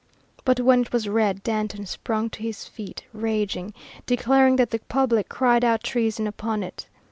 But when it was read, Danton sprung to his feet, raging, declaring that the public cried out treason upon it.